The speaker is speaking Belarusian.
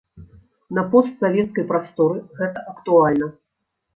На постсавецкай прасторы гэта актуальна.